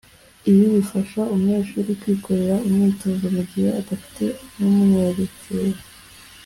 ibi bifasha umunyeshuri kwikorera umwitozo mu gihe adafite umwerekera